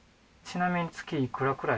ちなみに。